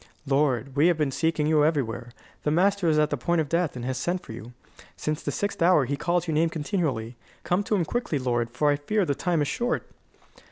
"Lord, we have been seeking you everywhere. The master is at the point of death, and has sent for you. Since the sixth hour he calls your name continually. Come to him quickly, lord, for I fear the time is short."